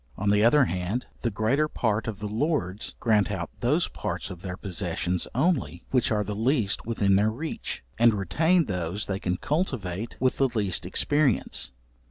On the other hand, the greater part of the lords grant out those parts of their possessions only, which are the least within their reach, and retain those they can cultivate with the least expence.